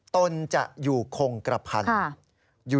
ตนจะอยู่คงกระพันธุ์